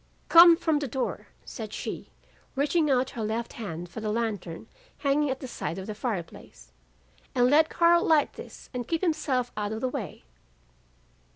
"'Come from the door,' said she, reaching out her left hand for the lantern hanging at the side of the fireplace, 'and let Karl light this and keep himself out of the way.